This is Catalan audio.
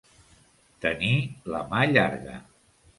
Tenir la mà llarga.